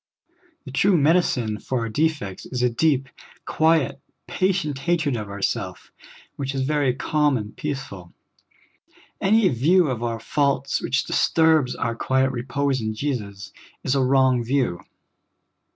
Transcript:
The true medicine for our defects is a deep, quiet, patient hatred of self, which is very calm and peaceful. Any view of our faults which disturbs our quiet repose in Jesus is a wrong view.